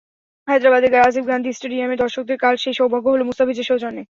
হায়েদরাবাদের রাজীব গান্ধী স্টেডিয়ামের দর্শকদের কাল সেই সৌভাগ্য হলো মুস্তাফিজের সৌজন্যে।